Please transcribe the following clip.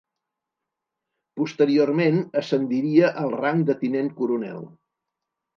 Posteriorment ascendiria al rang de tinent coronel.